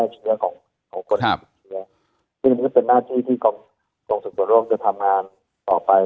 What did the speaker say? ซึ่งนี่ก็เป็นหน้าที่ที่โครงสรุปตัวโลกจะทำงานต่อไป